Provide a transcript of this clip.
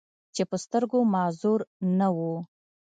چې پۀ سترګو معذور نۀ وو،